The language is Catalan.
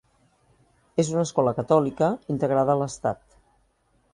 És una escola catòlica integrada a l'estat.